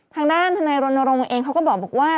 ทางด้านทนายรณรงค์เองเขาก็บอกว่า